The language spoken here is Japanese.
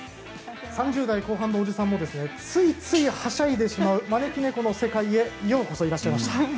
３０代後半のおじさんもついついはしゃいでしまう招き猫の世界へようこそいらっしゃいました。